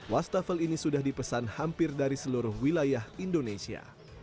wastafel ini sudah dipesan hampir dari seluruh wilayah indonesia